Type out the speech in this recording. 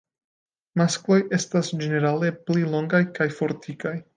Maskloj estas ĝenerale pli longaj kaj fortikaj.